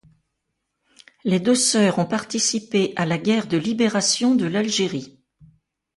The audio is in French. Les deux sœurs ont participé à la guerre de libération de l'Algérie.